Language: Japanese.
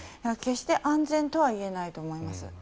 決して安全とはいえないと思います。